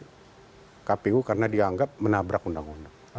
pkpu karena dianggap menabrak undang undang